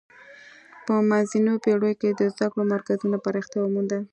په منځنیو پیړیو کې د زده کړو مرکزونو پراختیا ومونده.